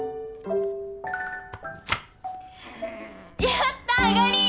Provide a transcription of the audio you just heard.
やったあがり！